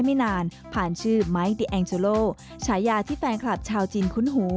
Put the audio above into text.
เราภูมิใจกับตรงนี้มาก